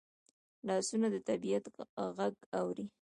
لاسونه د طبیعت غږ اوري